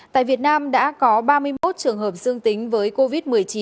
tại việt nam đã có ba mươi một trường hợp dương tính với covid một mươi chín